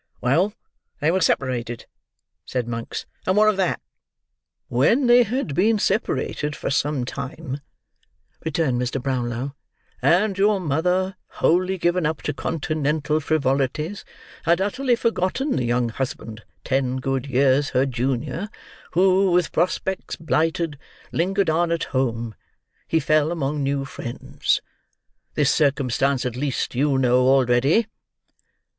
"Well, they were separated," said Monks, "and what of that?" "When they had been separated for some time," returned Mr. Brownlow, "and your mother, wholly given up to continental frivolities, had utterly forgotten the young husband ten good years her junior, who, with prospects blighted, lingered on at home, he fell among new friends. This circumstance, at least, you know already."